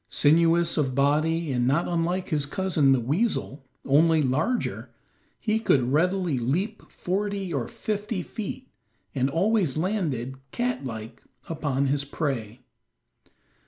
Sinuous of body and not unlike his cousin the weasel, only larger, he could readily leap forty or fifty feet, and always landed, cat like, upon his prey.